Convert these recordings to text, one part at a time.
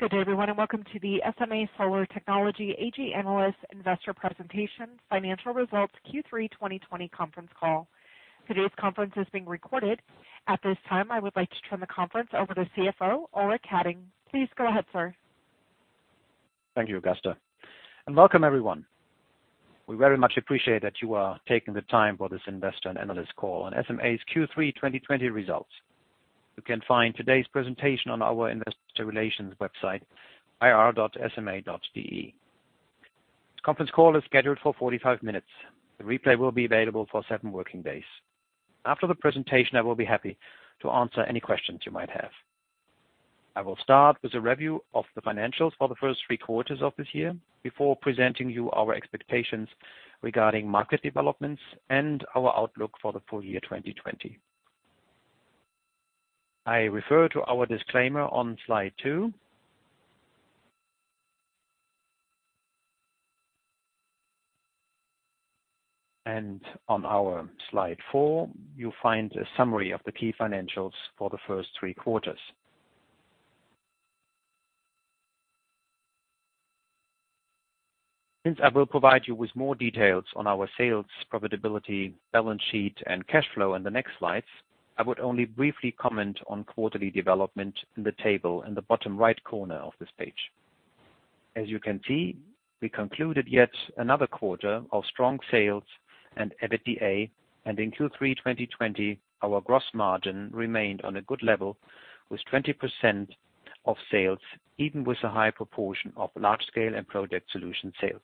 Good day, everyone. Welcome to the SMA Solar Technology AG Analyst Investor presentation financial results Q3 2020 conference call. Today's conference is being recorded. At this time, I would like to turn the conference over to CFO, Ulrich Hadding. Please go ahead, sir. Thank you, Augusta, and welcome everyone. We very much appreciate that you are taking the time for this investor and analyst call on SMA's Q3 2020 results. You can find today's presentation on our Investor Relations website, ir.sma.de. This conference call is scheduled for 45 minutes. The replay will be available for seven working days. After the presentation, I will be happy to answer any questions you might have. I will start with a review of the financials for the first three quarters of this year before presenting you our expectations regarding market developments and our outlook for the full year 2020. I refer to our disclaimer on slide two. On our slide four, you'll find a summary of the key financials for the first three quarters. Since I will provide you with more details on our sales, profitability, balance sheet, and cash flow in the next slides, I would only briefly comment on quarterly development in the table in the bottom right corner of this page. As you can see, we concluded yet another quarter of strong sales and EBITDA, and in Q3 2020, our gross margin remained on a good level with 20% of sales, even with a high proportion of Large Scale & Project Solutions sales.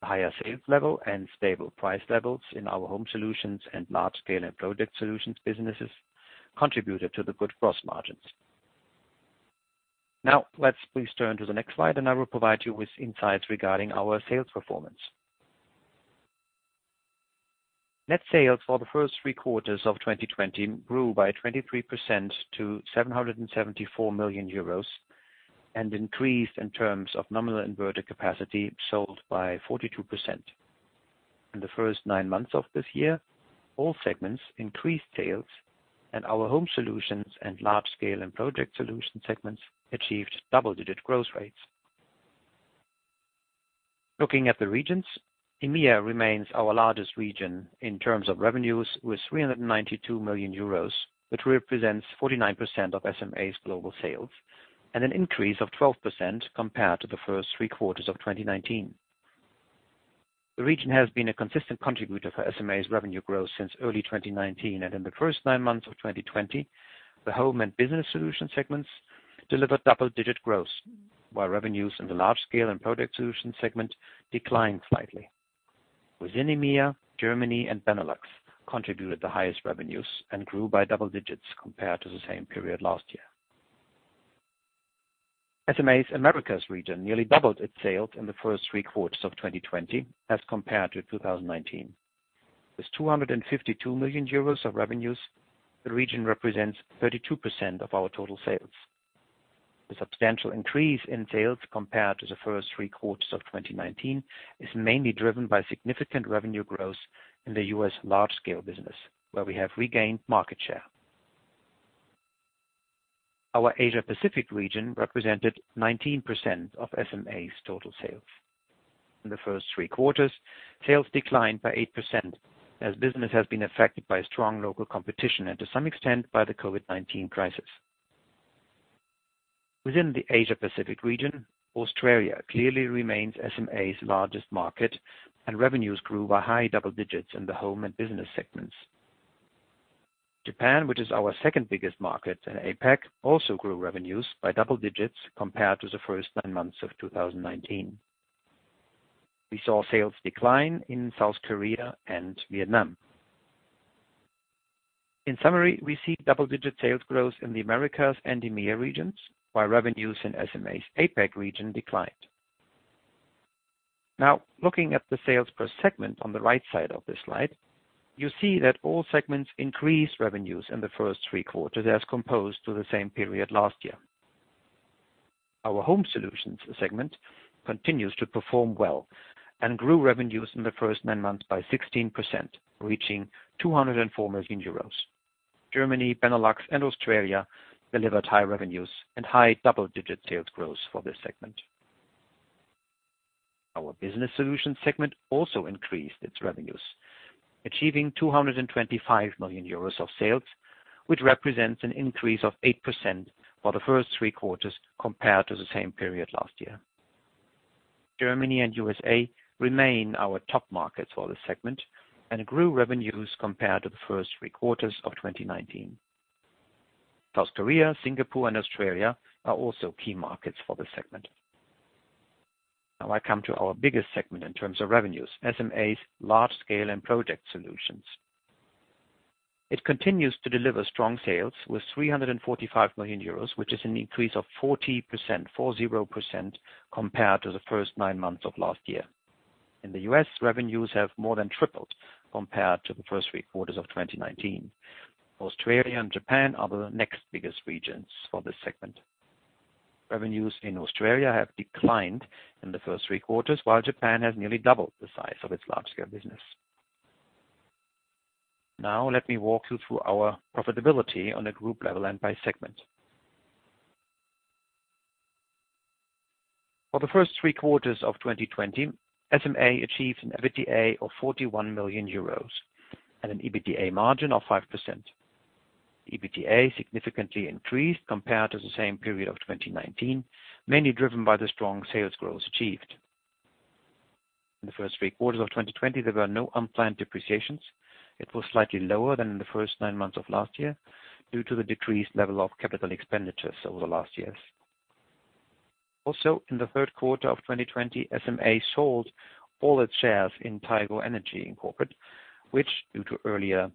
The higher sales level and stable price levels in our Home Solutions and Large Scale & Project Solutions businesses contributed to the good gross margins. Let's please turn to the next slide, and I will provide you with insights regarding our sales performance. Net sales for the first three quarters of 2020 grew by 23% to 774 million euros and increased in terms of nominal inverter capacity sold by 42%. In the first nine months of this year, all segments increased sales and our Home Solutions and Large Scale & Project Solution segments achieved double-digit growth rates. Looking at the regions, EMEA remains our largest region in terms of revenues with 392 million euros, which represents 49% of SMA's global sales and an increase of 12% compared to the first three quarters of 2019. The region has been a consistent contributor for SMA's revenue growth since early 2019, and in the first nine months of 2020, the Home Solutions and Business Solution segments delivered double-digit growth, while revenues in the Large Scale & Project Solution segment declined slightly. Within EMEA, Germany and Benelux contributed the highest revenues and grew by double digits compared to the same period last year. SMA's Americas region nearly doubled its sales in the first three quarters of 2020 as compared to 2019. With 252 million euros of revenues, the region represents 32% of our total sales. The substantial increase in sales compared to the first three quarters of 2019 is mainly driven by significant revenue growth in the U.S. large-scale business, where we have regained market share. Our Asia Pacific region represented 19% of SMA's total sales. In the first three quarters, sales declined by 8% as business has been affected by strong local competition and to some extent by the COVID-19 crisis. Within the Asia Pacific region, Australia clearly remains SMA's largest market, and revenues grew by high double digits in the home and business segments. Japan, which is our second biggest market in APAC, also grew revenues by double digits compared to the first nine months of 2019. We saw sales decline in South Korea and Vietnam. In summary, we see double-digit sales growth in the Americas and EMEA regions, while revenues in SMA's APAC region declined. Now, looking at the sales per segment on the right side of this slide, you see that all segments increased revenues in the first three quarters as compared to the same period last year. Our Home Solutions segment continues to perform well and grew revenues in the first nine months by 16%, reaching 204 million euros. Germany, Benelux, and Australia delivered high revenues and high double-digit sales growth for this segment. Our Commercial & Industrial Solutions segment also increased its revenues, achieving 225 million euros of sales, which represents an increase of 8% for the first three quarters compared to the same period last year. Germany and U.S.A. remain our top markets for this segment and grew revenues compared to the first three quarters of 2019. South Korea, Singapore, and Australia are also key markets for this segment. Now I come to our biggest segment in terms of revenues, SMA's Large Scale & Project Solutions. It continues to deliver strong sales with 345 million euros, which is an increase of 40%, compared to the first nine months of last year. In the U.S., revenues have more than tripled compared to the first three quarters of 2019. Australia and Japan are the next biggest regions for this segment. Revenues in Australia have declined in the first three quarters, while Japan has nearly doubled the size of its large-scale business. Now let me walk you through our profitability on a group level and by segment. For the first three quarters of 2020, SMA achieved an EBITDA of 41 million euros and an EBITDA margin of 5%. EBITDA significantly increased compared to the same period of 2019, mainly driven by the strong sales growth achieved. In the first three quarters of 2020, there were no unplanned depreciations. It was slightly lower than in the first nine months of last year due to the decreased level of capital expenditures over the last years. Also, in the third quarter of 2020, SMA sold all its shares in Tigo Energy, Incorporated, which, due to earlier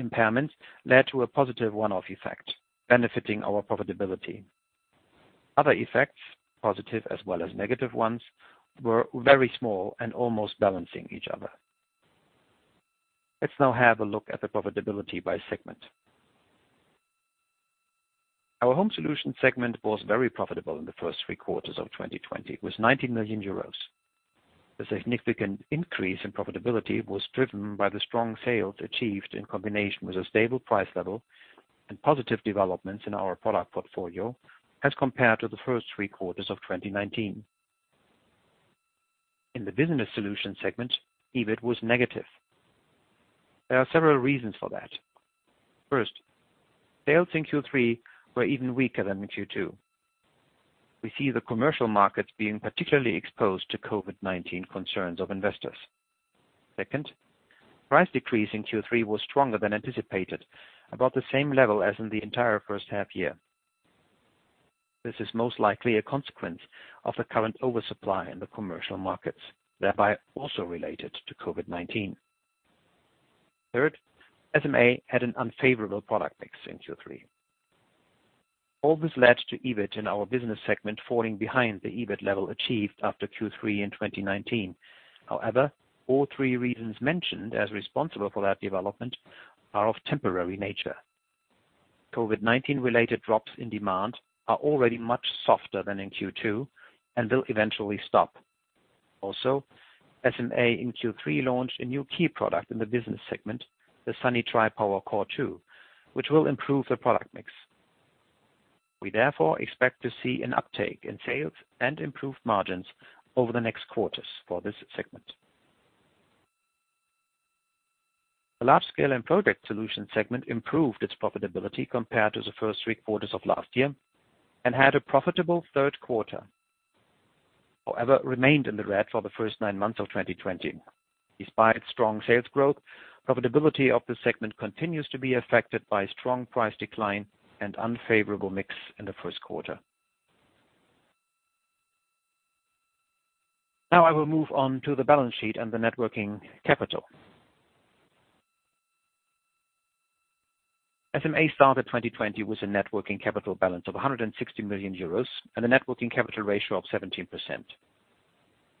impairments, led to a positive one-off effect benefiting our profitability. Other effects, positive as well as negative ones, were very small and almost balancing each other. Let's now have a look at the profitability by segment. Our Home Solutions segment was very profitable in the first three quarters of 2020 with 90 million euros. The significant increase in profitability was driven by the strong sales achieved in combination with a stable price level and positive developments in our product portfolio as compared to the first three quarters of 2019. In the Commercial & Industrial Solutions segment, EBIT was negative. There are several reasons for that. First, sales in Q3 were even weaker than in Q2. We see the commercial markets being particularly exposed to COVID-19 concerns of investors. Second, price decrease in Q3 was stronger than anticipated, about the same level as in the entire first half year. This is most likely a consequence of the current oversupply in the commercial markets, thereby also related to COVID-19. Third, SMA had an unfavorable product mix in Q3. All this led to EBIT in our business segment falling behind the EBIT level achieved after Q3 in 2019. However, all three reasons mentioned as responsible for that development are of temporary nature. COVID-19 related drops in demand are already much softer than in Q2 and will eventually stop. Also, SMA in Q3 launched a new key product in the business segment, the Sunny Tripower CORE2, which will improve the product mix. We therefore expect to see an uptake in sales and improved margins over the next quarters for this segment. The Large Scale & Project Solutions segment improved its profitability compared to the first three quarters of last year and had a profitable third quarter. However, remained in the red for the first nine months of 2020. Despite strong sales growth, profitability of the segment continues to be affected by strong price decline and unfavorable mix in the first quarter. Now I will move on to the balance sheet and the net working capital. SMA started 2020 with a net working capital balance of 160 million euros and a net working capital ratio of 17%.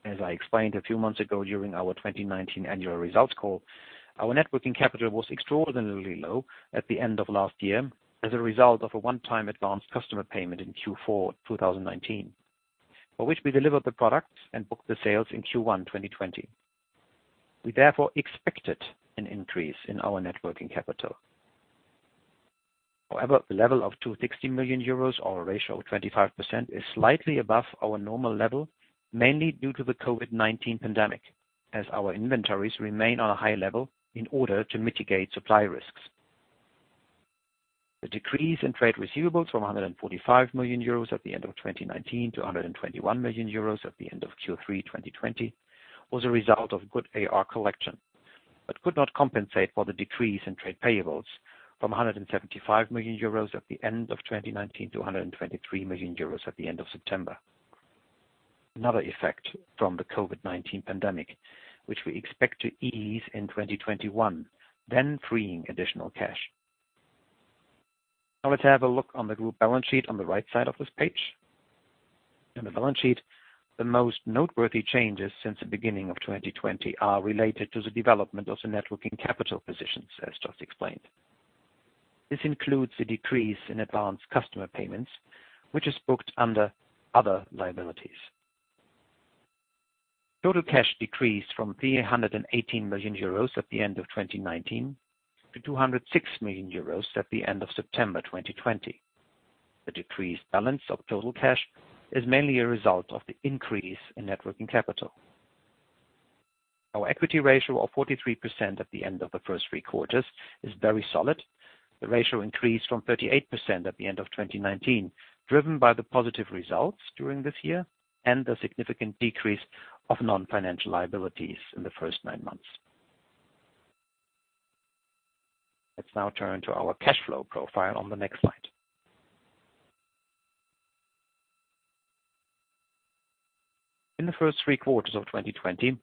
As I explained a few months ago during our 2019 annual results call, our net working capital was extraordinarily low at the end of last year as a result of a one-time advanced customer payment in Q4, 2019, for which we delivered the products and booked the sales in Q1 2020. We therefore expected an increase in our net working capital. The level of 260 million euros or a ratio of 25% is slightly above our normal level, mainly due to the COVID-19 pandemic, as our inventories remain on a high level in order to mitigate supply risks. The decrease in trade receivables from 145 million euros at the end of 2019 to 121 million euros at the end of Q3 2020 was a result of good AR collection, but could not compensate for the decrease in trade payables from 175 million euros at the end of 2019 to 123 million euros at the end of September. Another effect from the COVID-19 pandemic, which we expect to ease in 2021, freeing additional cash. Let's have a look on the group balance sheet on the right side of this page. In the balance sheet, the most noteworthy changes since the beginning of 2020 are related to the development of the net working capital positions, as just explained. This includes the decrease in advanced customer payments, which is booked under other liabilities. Total cash decreased from 318 million euros at the end of 2019 to 206 million euros at the end of September 2020. The decreased balance of total cash is mainly a result of the increase in net working capital. Our equity ratio of 43% at the end of the first three quarters is very solid. The ratio increased from 38% at the end of 2019, driven by the positive results during this year and a significant decrease of non-financial liabilities in the first nine months. Let's now turn to our cash flow profile on the next slide. In the first three quarters of 2020,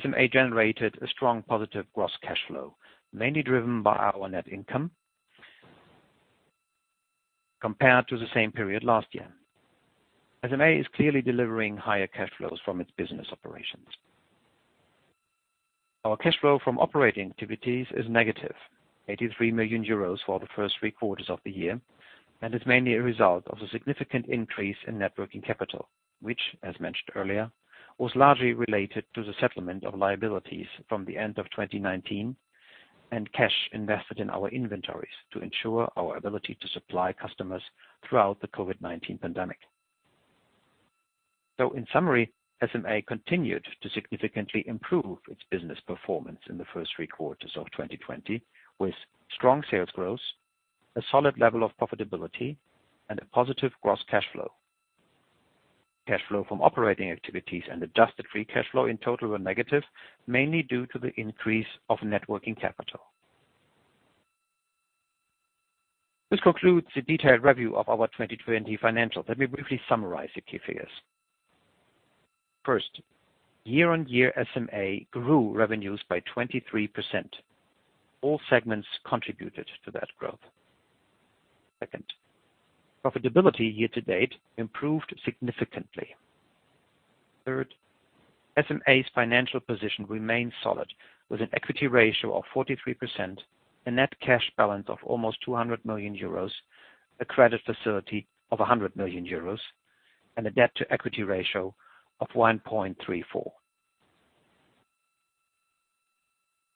SMA generated a strong positive gross cash flow, mainly driven by our net income compared to the same period last year. SMA is clearly delivering higher cash flows from its business operations. Our cash flow from operating activities is -83 million euros for the first three quarters of the year and is mainly a result of the significant increase in net working capital, which, as mentioned earlier, was largely related to the settlement of liabilities from the end of 2019 and cash invested in our inventories to ensure our ability to supply customers throughout the COVID-19 pandemic. In summary, SMA continued to significantly improve its business performance in the first three quarters of 2020 with strong sales growth, a solid level of profitability, and a positive gross cash flow. Cash flow from operating activities and adjusted free cash flow in total were negative, mainly due to the increase of net working capital. This concludes the detailed review of our 2020 financials. Let me briefly summarize the key figures. First, year-over-year, SMA grew revenues by 23%. All segments contributed to that growth. Second, profitability year to date improved significantly. Third, SMA's financial position remains solid with an equity ratio of 43%, a net cash balance of almost 200 million euros, a credit facility of 100 million euros, and a debt-to-equity ratio of 1.34. I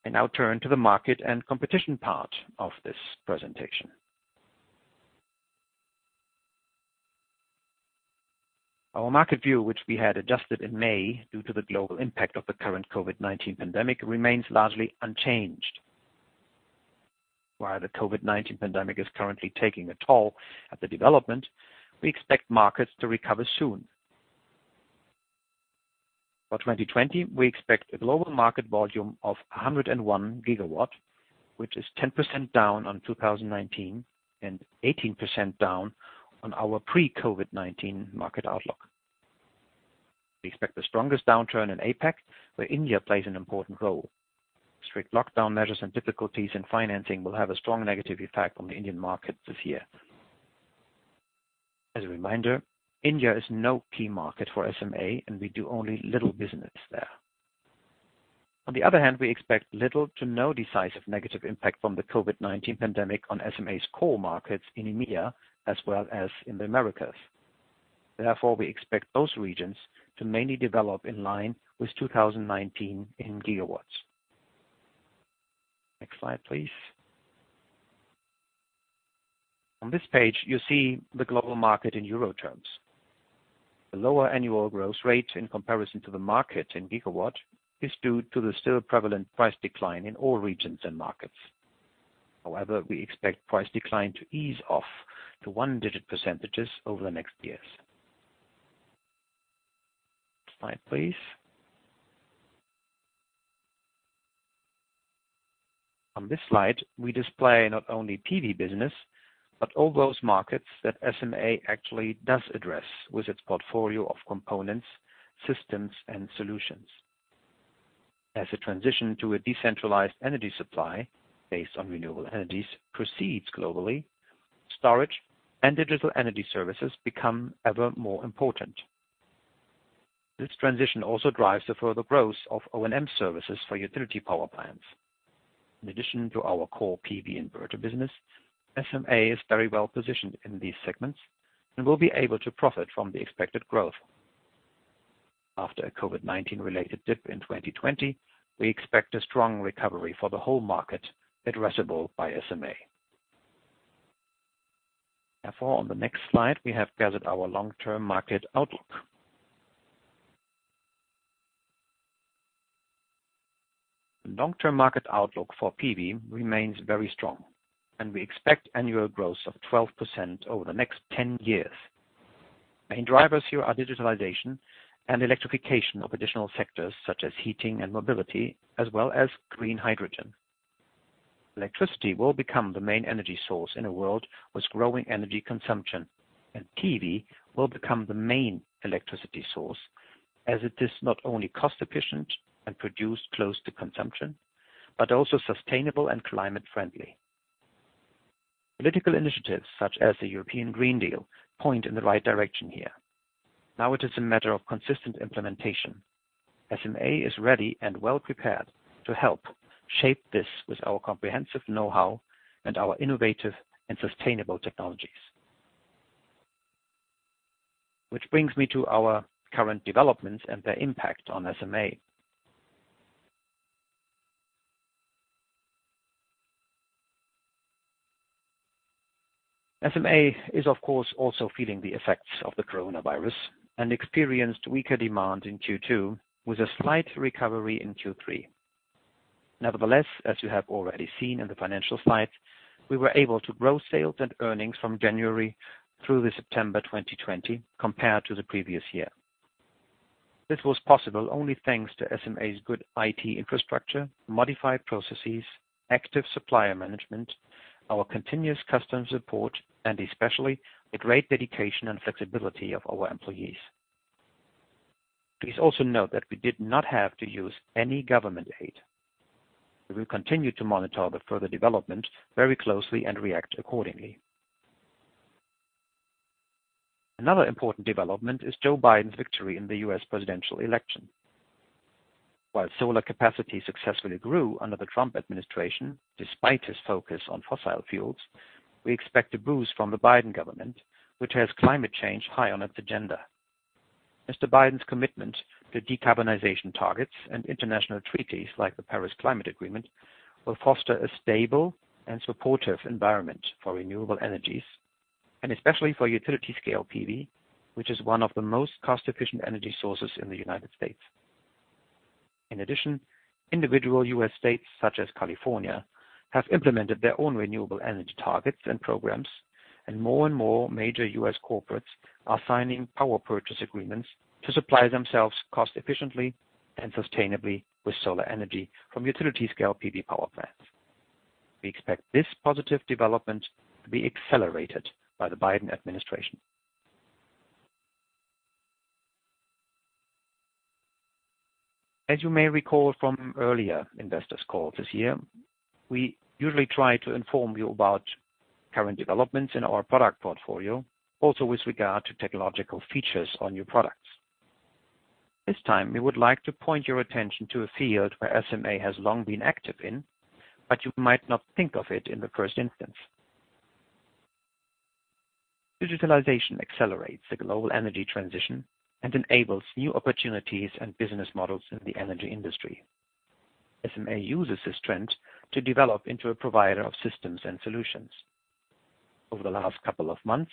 now turn to the market and competition part of this presentation. Our market view, which we had adjusted in May due to the global impact of the current COVID-19 pandemic, remains largely unchanged. While the COVID-19 pandemic is currently taking a toll at the development, we expect markets to recover soon. For 2020, we expect a global market volume of 101 GW, which is 10% down on 2019 and 18% down on our pre-COVID-19 market outlook. We expect the strongest downturn in APAC, where India plays an important role. Strict lockdown measures and difficulties in financing will have a strong negative impact on the Indian market this year. As a reminder, India is no key market for SMA, and we do only little business there. On the other hand, we expect little to no decisive negative impact from the COVID-19 pandemic on SMA's core markets in EMEA as well as in the Americas. Therefore, we expect those regions to mainly develop in line with 2019 in gigawatts. Next slide, please. On this page, you see the global market in euro terms. The lower annual growth rate in comparison to the market in gigawatts is due to the still prevalent price decline in all regions and markets. However, we expect price decline to ease off to one-digit percentages over the next years. Next slide, please. On this slide, we display not only PV business, but all those markets that SMA actually does address with its portfolio of components, systems and solutions. As a transition to a decentralized energy supply based on renewable energies proceeds globally, storage and digital energy services become ever more important. This transition also drives the further growth of O&M services for utility power plants. In addition to our core PV inverter business, SMA is very well positioned in these segments and will be able to profit from the expected growth. After a COVID-19-related dip in 2020, we expect a strong recovery for the whole market addressable by SMA. On the next slide, we have gathered our long-term market outlook. The long-term market outlook for PV remains very strong, and we expect annual growth of 12% over the next 10 years. Main drivers here are digitalization and electrification of additional sectors such as heating and mobility, as well as green hydrogen. Electricity will become the main energy source in a world with growing energy consumption, and PV will become the main electricity source as it is not only cost-efficient and produced close to consumption, but also sustainable and climate-friendly. Political initiatives such as the European Green Deal point in the right direction here. Now it is a matter of consistent implementation. SMA is ready and well prepared to help shape this with our comprehensive know-how and our innovative and sustainable technologies. Which brings me to our current developments and their impact on SMA. SMA is, of course, also feeling the effects of coronavirus and experienced weaker demand in Q2 with a slight recovery in Q3. Nevertheless, as you have already seen in the financial slides, we were able to grow sales and earnings from January through to September 2020 compared to the previous year. This was possible only thanks to SMA's good IT infrastructure, modified processes, active supplier management, our continuous customer support, and especially the great dedication and flexibility of our employees. Please also note that we did not have to use any government aid. We will continue to monitor the further development very closely and react accordingly. Another important development is Joe Biden's victory in the U.S. presidential election. While solar capacity successfully grew under the Trump administration, despite his focus on fossil fuels, we expect a boost from the Biden government, which has climate change high on its agenda. Mr. Biden's commitment to decarbonization targets and international treaties like the Paris Agreement will foster a stable and supportive environment for renewable energies and especially for utility-scale PV, which is one of the most cost-efficient energy sources in the United States. In addition, individual U.S. states such as California, have implemented their own renewable energy targets and programs, and more and more major U.S. corporates are signing power purchase agreements to supply themselves cost-efficiently and sustainably with solar energy from utility-scale PV power plants. We expect this positive development to be accelerated by the Biden administration. As you may recall from earlier investors' calls this year, we usually try to inform you about current developments in our product portfolio, also with regard to technological features on new products. This time, we would like to point your attention to a field where SMA has long been active in, but you might not think of it in the first instance. Digitalization accelerates the global energy transition and enables new opportunities and business models in the energy industry. SMA uses this trend to develop into a provider of systems and solutions. Over the last couple of months,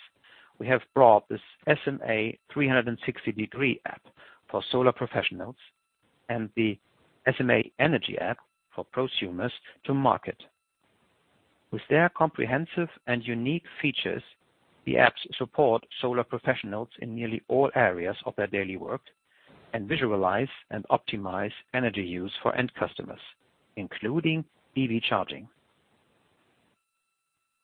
we have brought this SMA 360° app for solar professionals and the SMA Energy App for prosumers to market. With their comprehensive and unique features, the apps support solar professionals in nearly all areas of their daily work and visualize and optimize energy use for end customers, including EV charging.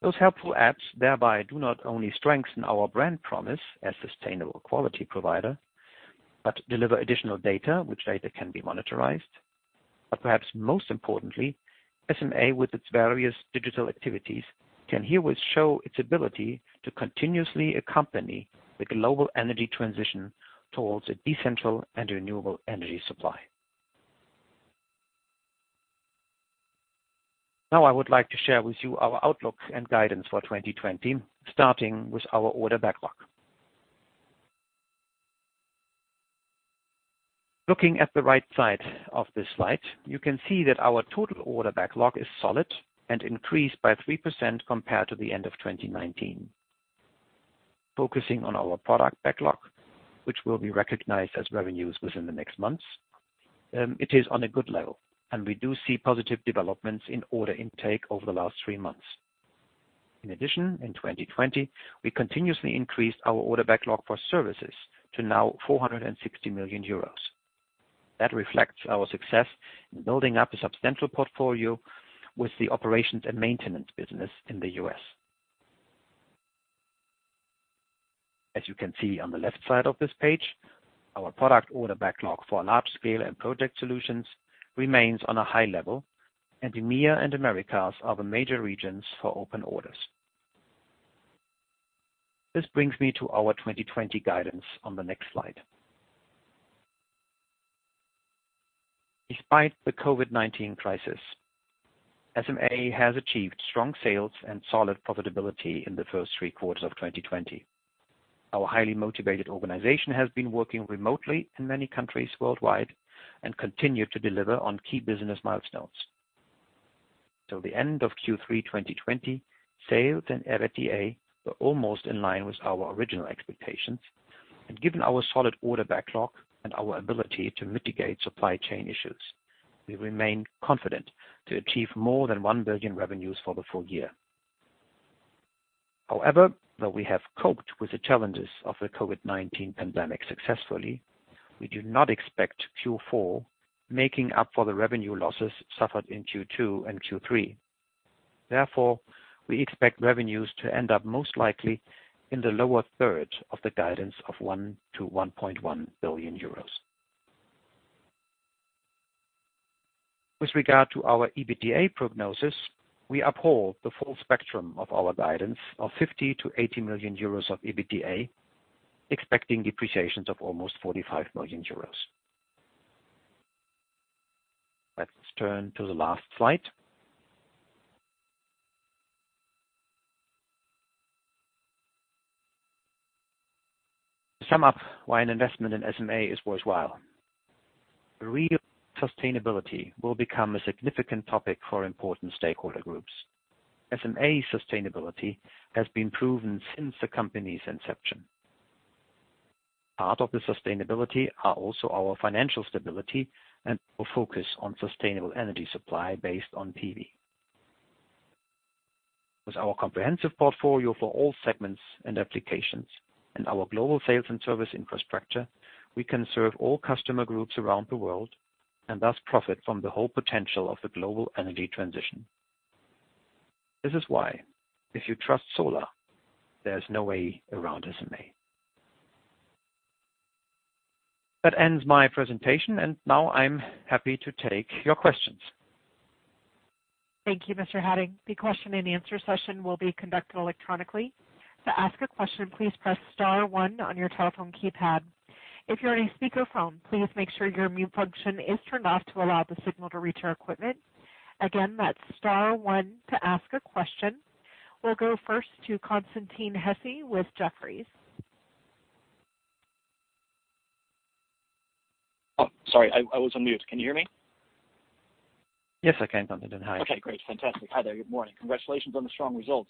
Those helpful apps thereby do not only strengthen our brand promise as sustainable quality provider, but deliver additional data which later can be monetized. Perhaps most importantly, SMA, with its various digital activities, can herewith show its ability to continuously accompany the global energy transition towards a decentral and renewable energy supply. Now, I would like to share with you our outlook and guidance for 2020, starting with our order backlog. Looking at the right side of this slide, you can see that our total order backlog is solid and increased by 3% compared to the end of 2019. Focusing on our product backlog, which will be recognized as revenues within the next months, it is on a good level and we do see positive developments in order intake over the last three months. In addition, in 2020, we continuously increased our order backlog for services to now 460 million euros. That reflects our success in building up a substantial portfolio with the operations and maintenance business in the U.S. As you can see on the left side of this page, our product order backlog for Large Scale & Project Solutions remains on a high level, and EMEA and Americas are the major regions for open orders. This brings me to our 2020 guidance on the next slide. Despite the COVID-19 crisis, SMA has achieved strong sales and solid profitability in the first three quarters of 2020. Our highly motivated organization has been working remotely in many countries worldwide and continued to deliver on key business milestones. Till the end of Q3 2020, sales and EBITDA were almost in line with our original expectations and given our solid order backlog and our ability to mitigate supply chain issues, we remain confident to achieve more than 1 billion revenues for the full year. Though we have coped with the challenges of the COVID-19 pandemic successfully, we do not expect Q4 making up for the revenue losses suffered in Q2 and Q3. We expect revenues to end up most likely in the lower third of the guidance of 1 billion-1.1 billion euros. With regard to our EBITDA prognosis, we uphold the full spectrum of our guidance of 50 million-80 million euros of EBITDA, expecting depreciations of almost 45 million euros. Let's turn to the last slide. To sum up why an investment in SMA is worthwhile. Real sustainability will become a significant topic for important stakeholder groups. SMA sustainability has been proven since the company's inception. Part of the sustainability are also our financial stability and our focus on sustainable energy supply based on PV. With our comprehensive portfolio for all segments and applications and our global sales and service infrastructure, we can serve all customer groups around the world and thus profit from the whole potential of the global energy transition. This is why, if you trust solar, there's no way around SMA. That ends my presentation, and now I'm happy to take your questions. Thank you, Mr. Hadding. The question-and-answer session will be conducted electronically. To ask a question, please press star one on your telephone keypad. If you're on a speakerphone, please make sure your mute function is turned off to allow the signal to reach our equipment. Again, that's star one to ask a question. We'll go first to Constantin Hesse with Jefferies. Oh, sorry, I was on mute. Can you hear me? Yes, I can, Constantin. Hi. Okay, great. Fantastic. Hi there. Good morning. Congratulations on the strong results.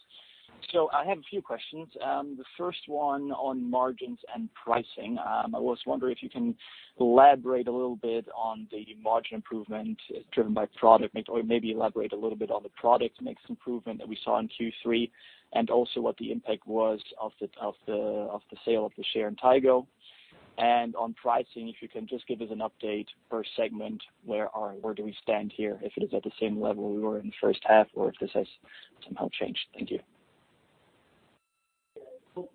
I have a few questions. The first one on margins and pricing. I was wondering if you can elaborate a little bit on the margin improvement driven by product mix, or maybe elaborate a little bit on the product mix improvement that we saw in Q3, and also what the impact was of the sale of the share in Tigo. On pricing, if you can just give us an update per segment, where do we stand here? If it is at the same level we were in the first half, or if this has somehow changed. Thank you.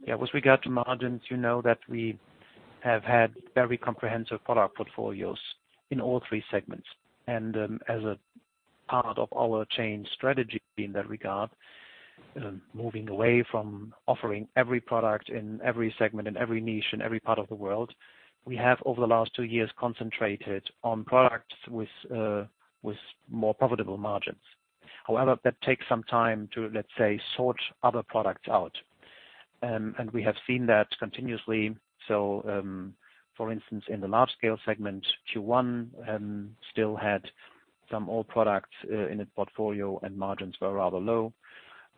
Yeah. With regard to margins, you know that we have had very comprehensive product portfolios in all three segments. As a part of our change strategy in that regard, moving away from offering every product in every segment, in every niche, in every part of the world. We have, over the last two years, concentrated on products with more profitable margins. However, that takes some time to, let's say, sort other products out. We have seen that continuously. For instance, in the large scale segment, Q1 still had some old products in its portfolio, and margins were rather low.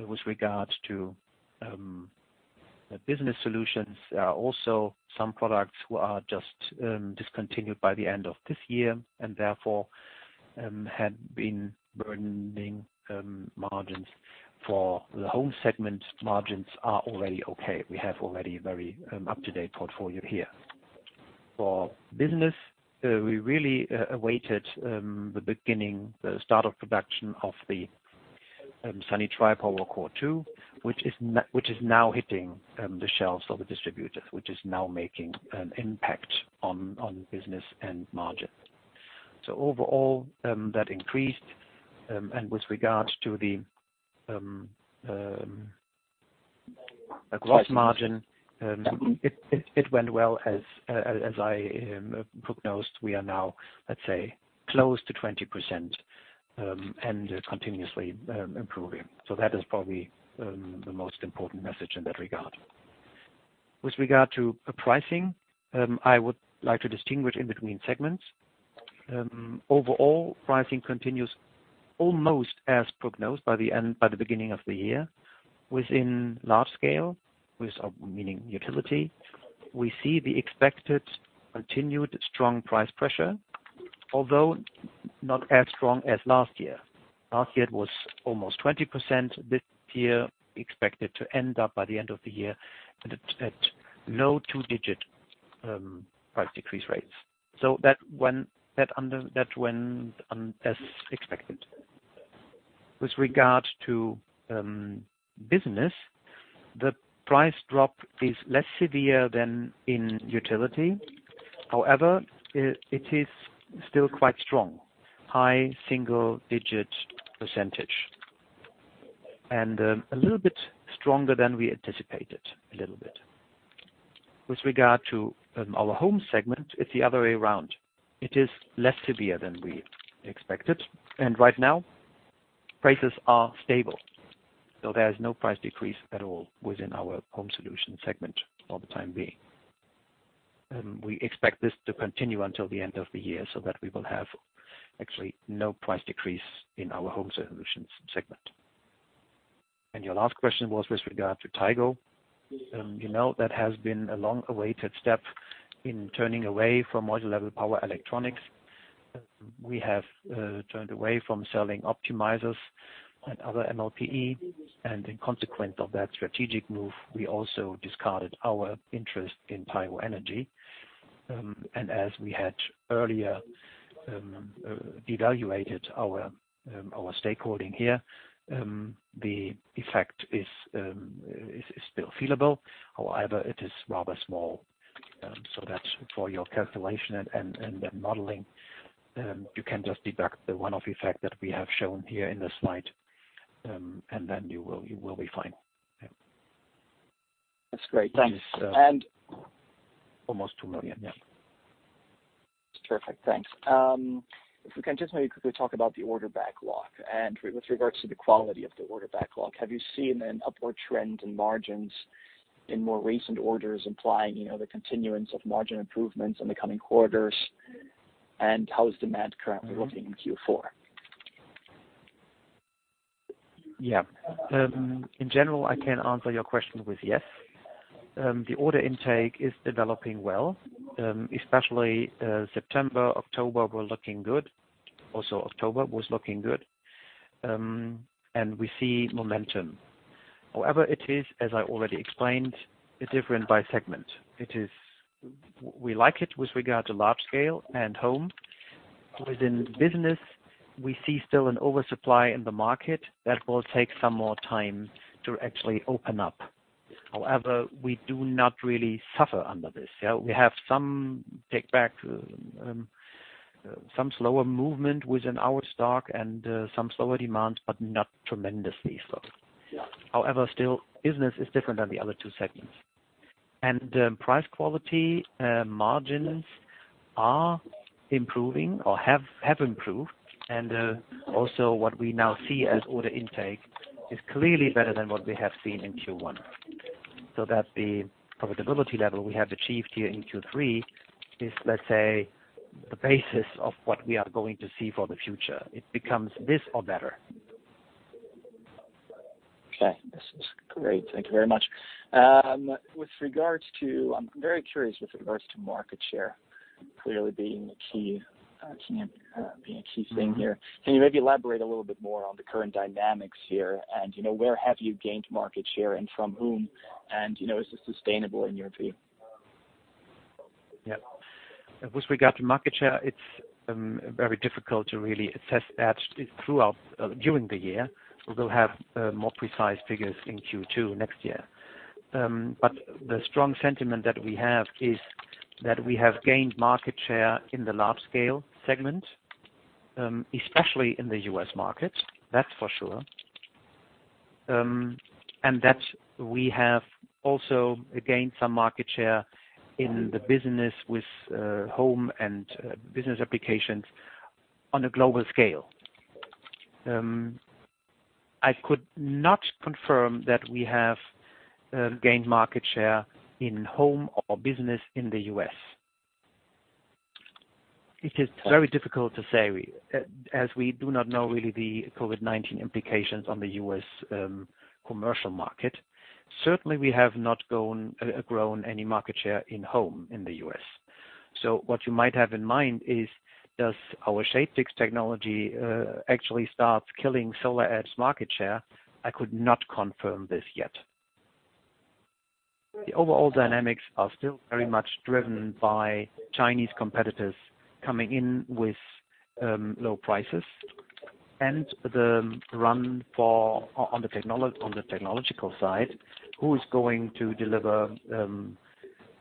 With regards to the business solutions, also some products who are just discontinued by the end of this year and therefore had been burdening margins for the home segment. Margins are already okay. We have already a very up-to-date portfolio here. For business, we really awaited the beginning, the start of production of the Sunny Tripower CORE2, which is now hitting the shelves of the distributors, which is now making an impact on business and margins. Overall, that increased. With regards to the gross margin, it went well. As I prognosed, we are now, let's say, close to 20% and continuously improving. That is probably the most important message in that regard. With regard to pricing, I would like to distinguish in between segments. Overall, pricing continues almost as prognosed by the beginning of the year. Within large scale, meaning utility, we see the expected continued strong price pressure, although not as strong as last year. Last year, it was almost 20%. This year, we expect it to end up by the end of the year at low two-digit price decrease rates. That went as expected. With regard to business, the price drop is less severe than in utility. It is still quite strong. High single-digit percentage. A little bit stronger than we anticipated. A little bit. With regard to our Home segment, it's the other way around. It is less severe than we expected, and right now prices are stable. There is no price decrease at all within our Home Solutions segment for the time being. We expect this to continue until the end of the year, so that we will have actually no price decrease in our Home Solutions segment. Your last question was with regard to Tigo. You know, that has been a long-awaited step in turning away from module-level power electronics. We have turned away from selling optimizers and other MLPE, and in consequence of that strategic move, we also discarded our interest in Tigo Energy. As we had earlier devaluated our stakeholding here, the effect is still feelable. However, it is rather small. That's for your calculation and modeling. You can just deduct the one-off effect that we have shown here in the slide, and then you will be fine. Yeah. That's great. Thanks. Almost 2 million. Yeah. That's terrific. Thanks. If we can just maybe quickly talk about the order backlog and with regards to the quality of the order backlog. Have you seen an upward trend in margins in more recent orders implying the continuance of margin improvements in the coming quarters? How is demand currently looking in Q4? Yeah. In general, I can answer your question with yes. The order intake is developing well. Especially September, October were looking good. Also October was looking good. We see momentum. However, it is, as I already explained, different by segment. We like it with regard to Large Scale & Home Solutions business, we see still an oversupply in the market that will take some more time to actually open up. However, we do not really suffer under this. We have some take-back, some slower movement within our stock and some slower demands, but not tremendously slow. Yeah. However, still, business is different than the other two segments. Price-quality margins are improving or have improved. Also, what we now see as order intake is clearly better than what we have seen in Q1. The profitability level we have achieved here in Q3 is, let's say, the basis of what we are going to see for the future. It becomes this or better. Okay. This is great. Thank you very much. I am very curious with regards to market share clearly being a key thing here. Can you maybe elaborate a little bit more on the current dynamics here and where have you gained market share and from whom, and is this sustainable in your view? With regard to market share, it's very difficult to really assess that during the year. We will have more precise figures in Q2 next year. The strong sentiment that we have is that we have gained market share in the large-scale segment, especially in the U.S. market, that's for sure. That we have also gained some market share in the business with home and business applications on a global scale. I could not confirm that we have gained market share in home or business in the U.S. It is very difficult to say, as we do not know really the COVID-19 implications on the U.S. commercial market. Certainly, we have not grown any market share in home in the U.S. What you might have in mind is, does our ShadeFix technology actually start killing SolarEdge market share? I could not confirm this yet. The overall dynamics are still very much driven by Chinese competitors coming in with low prices and the run on the technological side, who is going to deliver,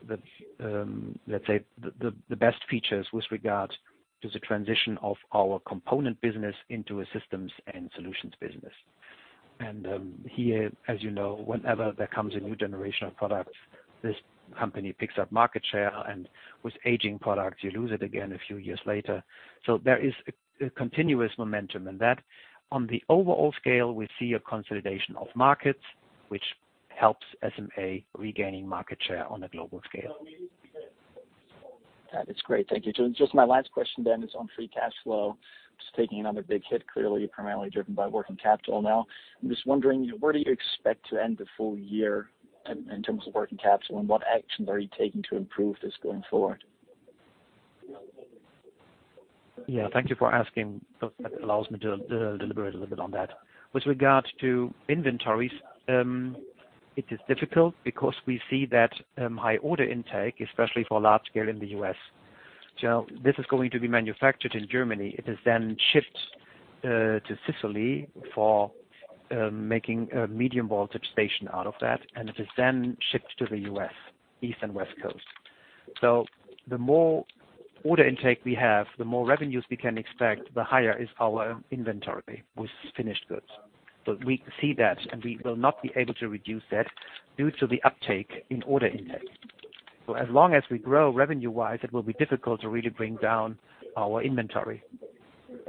let's say, the best features with regard to the transition of our component business into a systems and solutions business. Here, as you know, whenever there comes a new generation of product, this company picks up market share, and with aging products, you lose it again a few years later. There is a continuous momentum in that. On the overall scale, we see a consolidation of markets, which helps SMA regaining market share on a global scale. That is great. Thank you. Just my last question then is on free cash flow. Just taking another big hit, clearly primarily driven by working capital now. I'm just wondering, where do you expect to end the full year in terms of working capital, and what actions are you taking to improve this going forward? Yeah. Thank you for asking. That allows me to deliberate a little bit on that. With regard to inventories, it is difficult because we see that high order intake, especially for large-scale in the U.S. This is going to be manufactured in Germany. It is then shipped to Sicily for making a medium voltage station out of that, and it is then shipped to the U.S., East and West Coast. The more order intake we have, the more revenues we can expect, the higher is our inventory with finished goods. We see that, and we will not be able to reduce that due to the uptake in order intake. As long as we grow revenue-wise, it will be difficult to really bring down our inventory,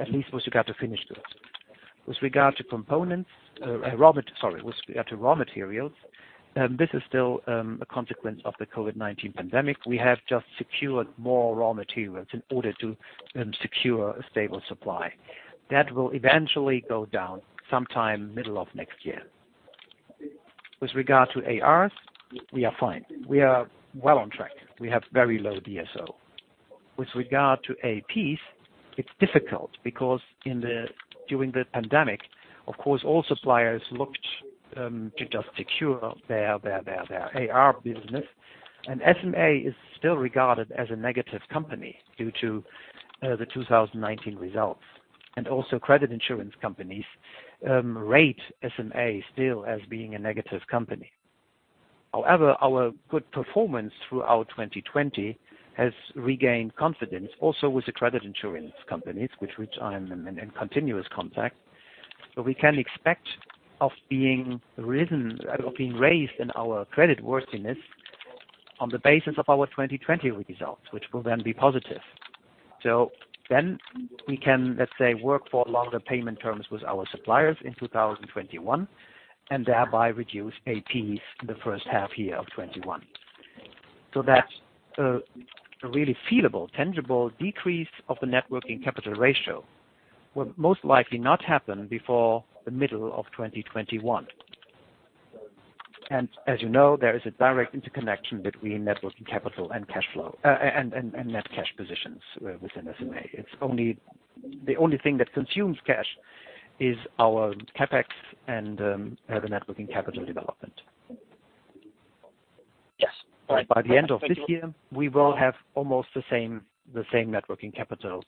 at least with regard to finished goods. With regard to raw materials, this is still a consequence of the COVID-19 pandemic. We have just secured more raw materials in order to secure a stable supply. That will eventually go down sometime middle of next year. With regard to ARs, we are fine. We are well on track. We have very low DSO. With regard to APs, it's difficult because during the pandemic, of course, all suppliers looked to just secure their AR business. SMA is still regarded as a negative company due to the 2019 results. Also, credit insurance companies rate SMA still as being a negative company. However, our good performance throughout 2020 has regained confidence also with the credit insurance companies, with which I am in continuous contact. We can expect of being raised in our creditworthiness on the basis of our 2020 results, which will then be positive. We can, let's say, work for longer payment terms with our suppliers in 2021, and thereby reduce AP in the first half year of 2021. A really feasible, tangible decrease of the net working capital ratio will most likely not happen before the middle of 2021. As you know, there is a direct interconnection between net working capital and net cash positions within SMA. The only thing that consumes cash is our CapEx and the net working capital development. By the end of this year, we will have almost the same net working capital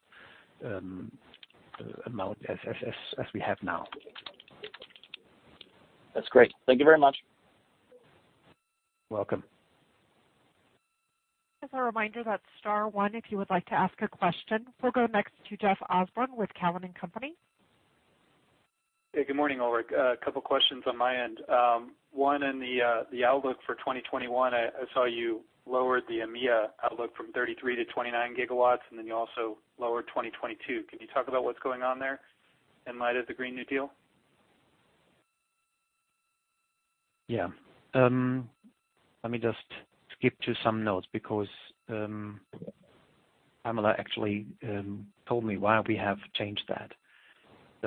amount as we have now. That's great. Thank you very much. Welcome. As a reminder, that's star one if you would like to ask a question. We'll go next to Jeff Osborne with Cowen and Company. Hey, good morning, Ulrich. A couple questions on my end. One, in the outlook for 2021, I saw you lowered the EMEA outlook from 33 GW-29 GW, and then you also lowered 2022. Can you talk about what's going on there in light of the Green New Deal? Let me just skip to some notes because Pamela actually told me why we have changed that.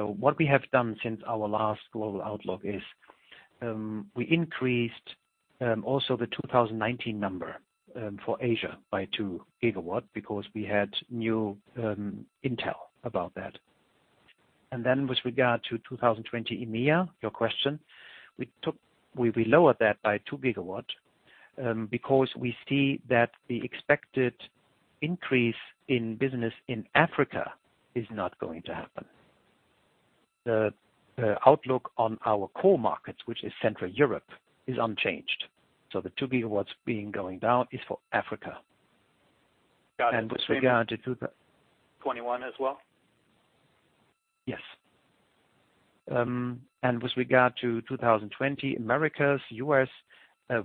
What we have done since our last global outlook is, we increased also the 2019 number for Asia by 2 GW because we had new intel about that. With regard to 2020 EMEA, your question, we lowered that by 2 GW because we see that the expected increase in business in Africa is not going to happen. The outlook on our core markets, which is Central Europe, is unchanged. The 2 GW being going down is for Africa. Got it. 2021 as well? Yes. With regard to 2020 Americas, U.S.,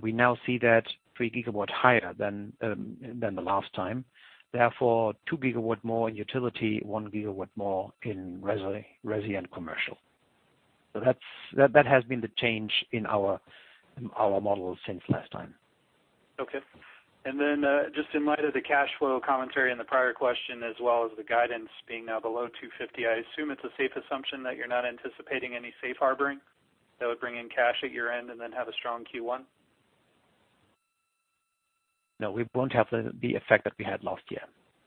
we now see that 3 GW higher than the last time, therefore, 2 GW more in utility, 1 GW more in residential and commercial. That has been the change in our model since last time. Okay. Just in light of the cash flow commentary in the prior question, as well as the guidance being now below 250, I assume it's a safe assumption that you're not anticipating any safe harboring that would bring in cash at your end and then have a strong Q1? We won't have the effect that we had last year,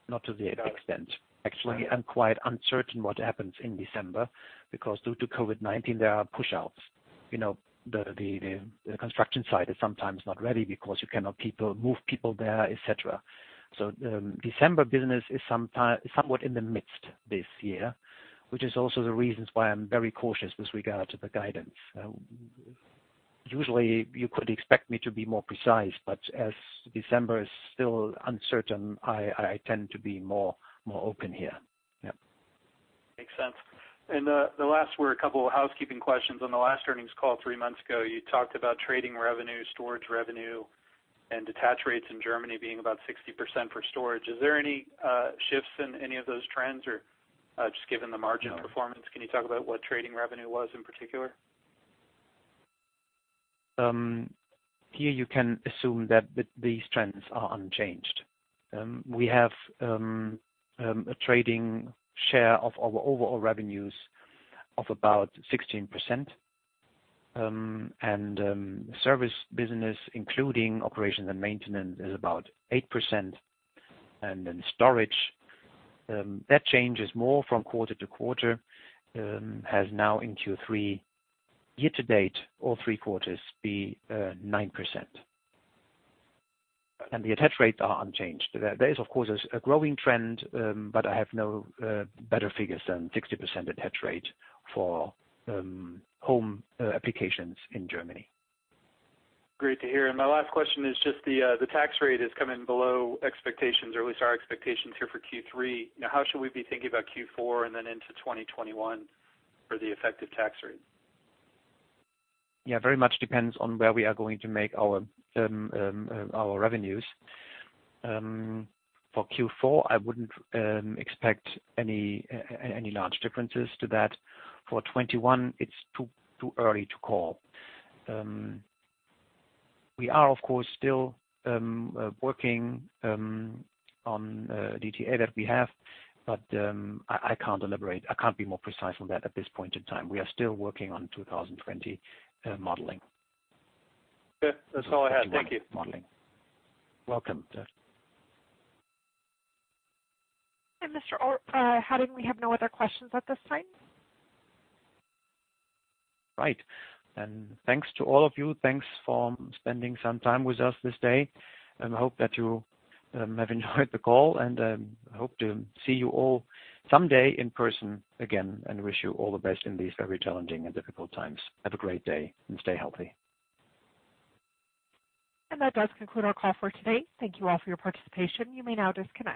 not to the extent. Actually, I'm quite uncertain what happens in December because due to COVID-19, there are push-outs. The construction site is sometimes not ready because you cannot move people there, et cetera. The December business is somewhat in the midst this year, which is also the reasons why I'm very cautious with regard to the guidance. Usually, you could expect me to be more precise, as December is still uncertain, I tend to be more open here. Yeah. Makes sense. The last were a couple of housekeeping questions. On the last earnings call three months ago, you talked about trading revenue, storage revenue, and attach rates in Germany being about 60% for storage. Is there any shifts in any of those trends, or just given the margin performance, can you talk about what trading revenue was in particular? Here you can assume that these trends are unchanged. We have a trading share of our overall revenues of about 16%, and service business, including operations and maintenance, is about 8%. Storage, that changes more from quarter to quarter, has now in Q3 year-to-date, all three quarters, be 9%. The attach rates are unchanged. There is, of course, a growing trend, but I have no better figures than 60% attach rate for home applications in Germany. Great to hear. My last question is just the tax rate has come in below expectations, or at least our expectations here for Q3. Now, how should we be thinking about Q4 and then into 2021 for the effective tax rate? Yeah, very much depends on where we are going to make our revenues. For Q4, I wouldn't expect any large differences to that. For 2021, it's too early to call. We are, of course, still working on DTA that we have, but I can't elaborate. I can't be more precise on that at this point in time. We are still working on 2020 modeling. Okay. That's all I had. Thank you. Welcome, Jeff. Mr. Ulrich, how did we have no other questions at this time? Right. Thanks to all of you. Thanks for spending some time with us this day, and hope that you have enjoyed the call, and hope to see you all someday in person again, and wish you all the best in these very challenging and difficult times. Have a great day, and stay healthy. That does conclude our call for today. Thank you all for your participation. You may now disconnect.